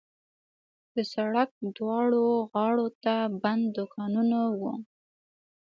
د سړک دواړو غاړو ته بند دوکانونه وو.